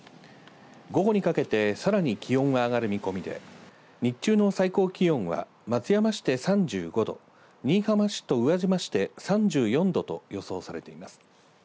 午後にかけてさらに気温は上がる見込みで日中の最高気温は松山市で３５度新居浜市と宇和島市で３４度と予想されています。